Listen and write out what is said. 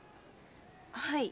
はい。